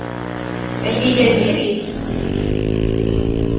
Ayen ay iga diri-t.